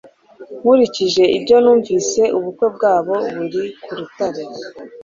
Nkurikije ibyo numvise ubukwe bwabo buri ku rutare